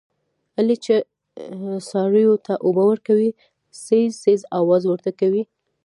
علي چې څارویو ته اوبه ورکوي، ځیږ ځیږ اواز ورته کوي.